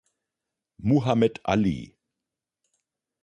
Muhammed Ali